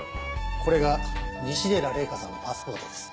これが西寺麗華さんのパスポートです。